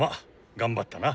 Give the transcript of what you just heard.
頑張ったな。